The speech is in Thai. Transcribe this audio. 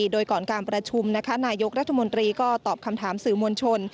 โดยก่อนการประชุมนายกรัฐมนตรีก็ตอบคำถามสื่อมวลชน